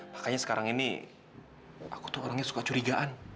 makanya sekarang ini aku tuh orangnya suka curigaan